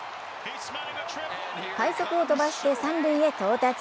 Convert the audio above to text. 快足を飛ばして三塁へ到達。